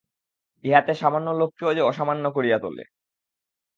ইহাতে সামান্য লোককেও যে অসামান্য করিয়া তোলে।